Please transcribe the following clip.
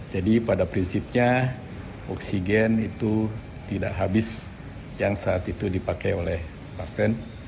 jadi pada prinsipnya oksigen itu tidak habis yang saat itu dipakai oleh pasien